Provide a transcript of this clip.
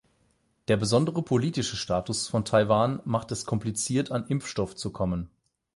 Der besondere politische Status von Taiwan macht es kompliziert an Impfstoff zu kommen.